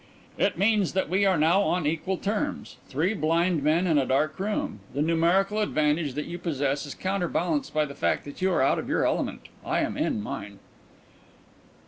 "It means that we are now on equal terms three blind men in a dark room. The numerical advantage that you possess is counterbalanced by the fact that you are out of your element I am in mine."